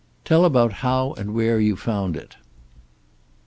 "Tell about how and where you found it."